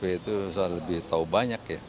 saya sudah lebih tahu banyak ya